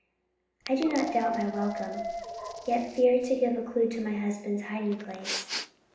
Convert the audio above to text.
"I do not doubt my welcome; yet fear to give a clue to my husband's hiding place."